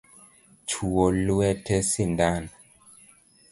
Chwo lwete sindan